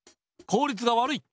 効率が悪い。